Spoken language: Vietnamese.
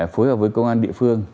phối hợp với công an địa phương